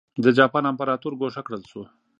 د جاپان امپراتور ګوښه کړل شو.